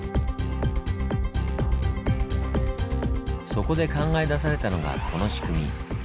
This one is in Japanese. そこで考え出されたのがこの仕組み。